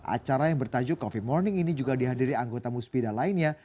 acara yang bertajuk coffe morning ini juga dihadiri anggota musbidah lainnya